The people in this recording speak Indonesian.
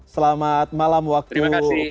selamat malam waktu korea pak